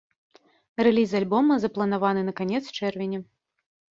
Рэліз альбома запланаваны на канец чэрвеня.